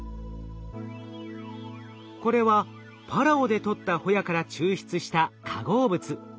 これはパラオで採ったホヤから抽出した化合物。